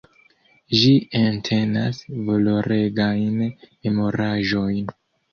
Ĝi entenas valoregajn memoraĵojn.